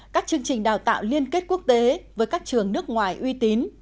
các chương trình đào tạo liên kết quốc tế với các trường nước ngoài uy tín